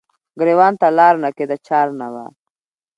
ګریوان ته لار نه کیده چار نه وه